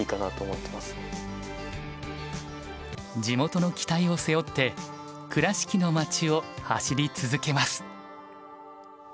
地元の期待を背負って倉敷の町を走り続けます。